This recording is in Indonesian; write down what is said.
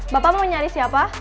bapak mau nyari siapa